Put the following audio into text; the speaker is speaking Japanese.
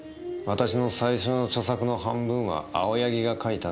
私の最初の著作の半分は青柳が書いたって話でしょ？